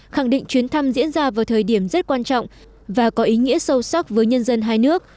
khẳng định chuyến thăm diễn ra vào thời điểm rất quan trọng và có ý nghĩa sâu sắc với nhân dân hai nước